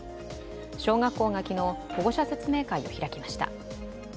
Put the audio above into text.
小学校が昨日、保護者説明会を開きました。